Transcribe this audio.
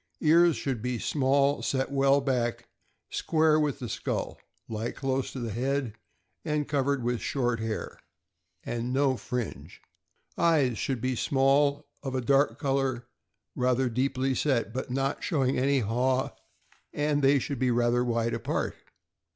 Ears. — Should be small, set well back, square with the skull, lie close to the head, and covered with short hair, and no' fringe. Eyes. — Should be small, of a dark brown color, rather deeply set, but not showing any haw, and they should be rather wide apart.